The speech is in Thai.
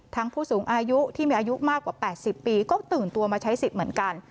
ผู้สูงอายุที่มีอายุมากกว่า๘๐ปีก็ตื่นตัวมาใช้สิทธิ์เหมือนกัน